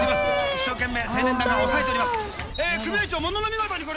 一生懸命、青年団が押さえております。